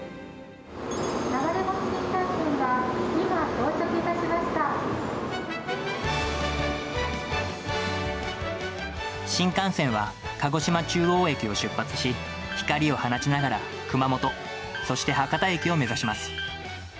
流れ星新幹線が今、到着いた新幹線は、鹿児島中央駅を出発し、光を放ちながら、熊本、そして博多駅を目指します。